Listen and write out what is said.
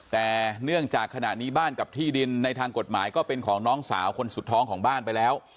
แต่เนื่องจากขณะนี้บ้านกับที่ดินในทางกฎหมายก็เป็นของน้องสาวคนสุดท้องของบ้านไปแล้ว